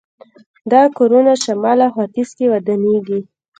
دا کورونه شمال او ختیځ کې ودانېږي.